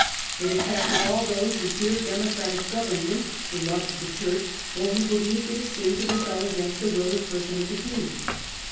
It attracted all those who feared democratic government, who loved the church, or who believed it a sin to rebel against the will and person of the king.